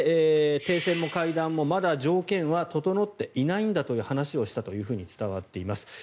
停戦も会談もまだ条件は整っていないんだという話をしたと伝わっています。